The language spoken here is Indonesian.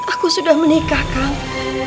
aku sudah menikah kak